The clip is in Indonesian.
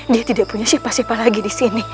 dia tidak punya siapa siapa lagi disini